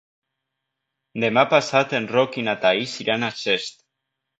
Demà passat en Roc i na Thaís iran a Xest.